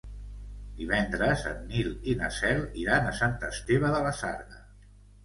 Divendres en Nil i na Cel iran a Sant Esteve de la Sarga.